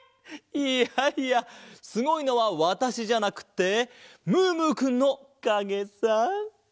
いやいやすごいのはわたしじゃなくてムームーくんのかげさ！